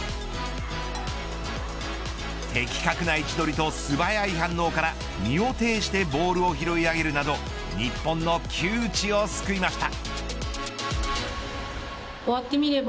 的確な位置取りと素早い反応から身をていしてボールを拾い上げるなど日本の窮地を救いました。